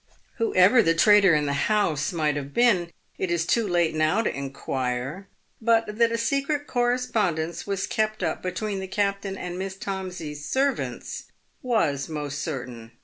Whoever the traitor in the house might have been, it is too late now to inquire ; but that a secret correspondence was kept up be tween the captain and Miss Tomsey's servants was most certain.